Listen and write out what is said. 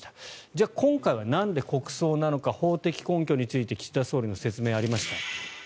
じゃあ、今回はなんで国葬なのか法的根拠について岸田総理の説明がありました。